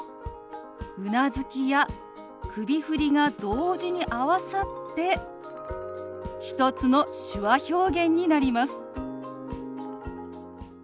うなずきや首振りが同時に合わさって１つの手話表現になります。